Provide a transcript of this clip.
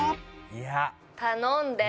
頼んで。